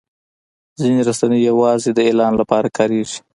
ځینې رسنۍ یوازې د اعلان لپاره کارېږي.